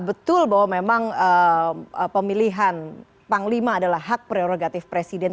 betul bahwa memang pemilihan panglima adalah hak prerogatif presiden